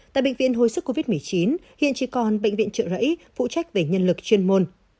tại bệnh viện hồi sức covid một mươi chín hiện chỉ còn bệnh viện trợ rẫy phụ trách về nhân lực chuyên môn